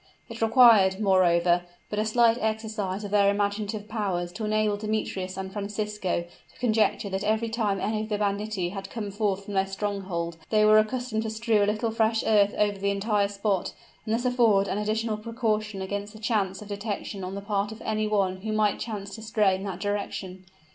It required, moreover, but a slight exercise of their imaginative powers to enable Demetrius and Francisco to conjecture that every time any of the banditti had come forth from their stronghold they were accustomed to strew a little fresh earth over the entire spot, and thus afford an additional precaution against the chance of detection on the part of any one who might chance to stray in that direction.